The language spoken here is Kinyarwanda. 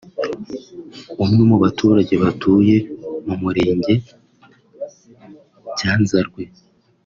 umwe mu baturage batuye mu Murenge Cyanzarwe